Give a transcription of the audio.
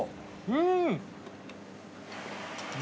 うん！